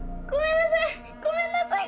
ごめんなさい！